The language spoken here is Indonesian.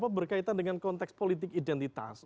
berkaitan dengan konteks politik identitas